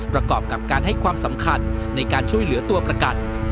ประกอบกับการให้ความสำคัญในการช่วยเหลือตัวประกัน